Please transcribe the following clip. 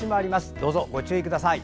どうぞご注意ください。